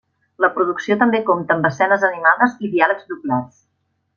La producció també compta amb escenes animades i diàlegs doblats.